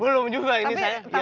belum juga ini saya